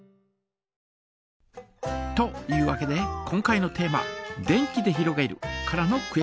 というわけで今回のテーマ「電気でひろげる」からのクエスチョン！